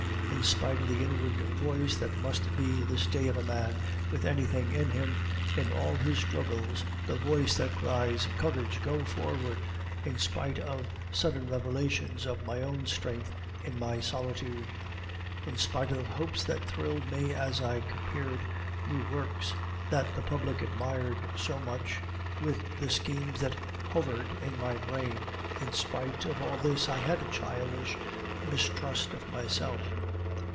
In spite of the inward voice that must be the stay of a man with anything in him, in all his struggles, the voice that cries, 'Courage! Go forward!' in spite of sudden revelations of my own strength in my solitude; in spite of the hopes that thrilled me as I compared new works, that the public admired so much, with the schemes that hovered in my brain, in spite of all this, I had a childish mistrust of myself.